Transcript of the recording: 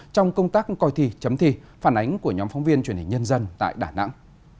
trong công tác coi thi chấm thi phản ánh của nhóm phóng viên truyền hình nhân dân tại đà nẵng